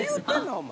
お前。